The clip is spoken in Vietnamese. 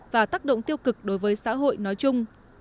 và tác động tiêu cực đối với xã hội nói chung